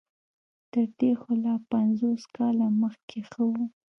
تر دې خو لا پنځوس کاله مخکې ښه وو.